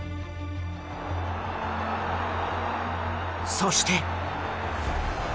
そして。